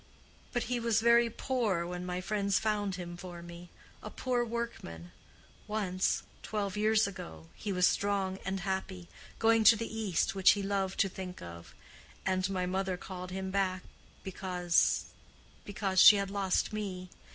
"But he was very poor when my friends found him for me—a poor workman. Once—twelve years ago—he was strong and happy, going to the East, which he loved to think of; and my mother called him back because—because she had lost me.